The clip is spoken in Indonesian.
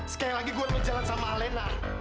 sekali lagi gue berjalan sama alena